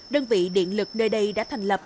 đơn vị điện lực nơi đây đã thành lập